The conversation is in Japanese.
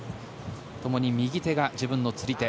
ともに右手が自分の釣り手。